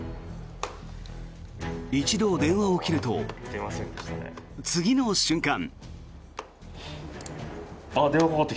一度、電話を切ると次の瞬間。